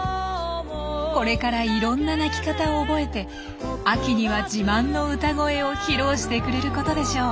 これからいろんな鳴き方を覚えて秋には自慢の歌声を披露してくれることでしょう。